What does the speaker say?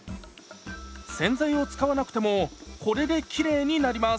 洗剤を使わなくてもこれできれいになります。